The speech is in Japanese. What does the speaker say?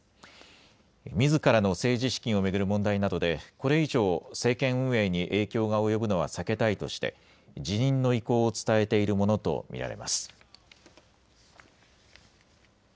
みずからの政治資金を巡る問題などでこれ以上、政権運営に影響が及ぶのは避けたいとして辞任の意向を伝えているものと見られます。